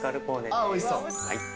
おいしそう。